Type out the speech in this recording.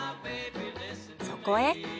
そこへ。